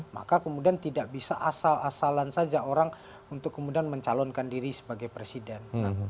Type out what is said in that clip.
maka kemudian tidak bisa asal asalan saja orang untuk kemudian mencalonkan diri sebagai presiden